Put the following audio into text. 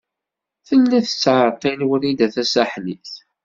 Tella tettɛeṭṭil Wrida Tasaḥlit.